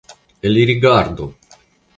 Elrigardu!